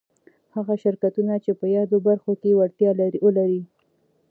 هغه شرکتونه چي په يادو برخو کي وړتيا ولري